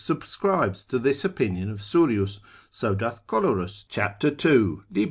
subscribes to this opinion of Surius, so doth Colerus cap. 12. lib.